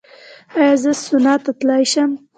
ایا زه سونا ته تلی شم؟